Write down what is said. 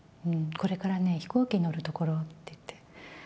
これからね、飛行機乗るところって言って。